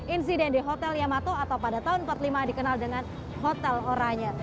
insiden di hotel yamato atau pada tahun empat puluh lima dikenal dengan hotel oranye